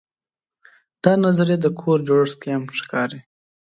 دا نظریه د کور جوړښت کې هم ښکاري.